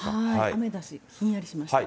雨だし、ひんやりしました。